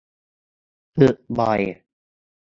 ฝึกบ่อย